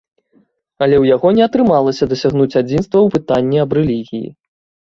Але ў яго не атрымалася дасягнуць адзінства ў пытанні аб рэлігіі.